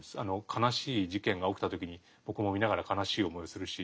悲しい事件が起きた時に僕も見ながら悲しい思いをするし。